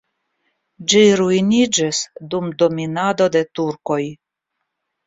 Ĝi ruiniĝis dum dominado de turkoj.